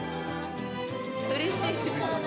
うれしい。